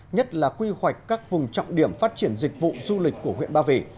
nhất là quy hoạch các vùng trọng điểm phát triển dịch vụ du lịch của huyện ba vì